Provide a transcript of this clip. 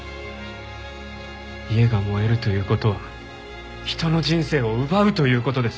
家が燃えるという事は人の人生を奪うという事です。